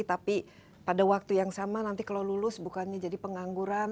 tapi pada waktu yang sama nanti kalau lulus bukannya jadi pengangguran